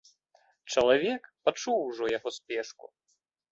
Чалавек пачуў ужо яго спешку.